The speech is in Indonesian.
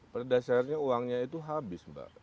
pada dasarnya uangnya itu habis mbak